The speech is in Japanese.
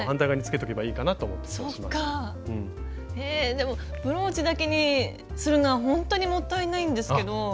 でもブローチだけにするのはほんとにもったいないんですけど。